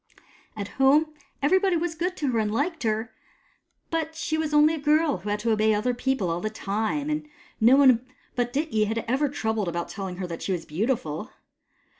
At home, everybody was good to her and liked her, but she was only a girl who had to obey other people all the time, and no one but Dityi had ever troubled about telling her that she was beautiful.